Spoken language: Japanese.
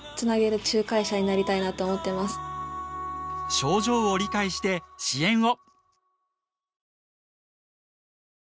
症状を理解して支援を。